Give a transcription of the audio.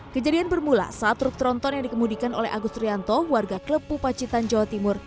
kejadian bermula saat truk tronton yang dikemudikan oleh agus trianto warga klepu pacitan jawa timur